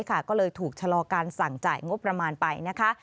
ก็เลยถูกชะลอการสั่งจ่ายงบประมาณไปนะคะ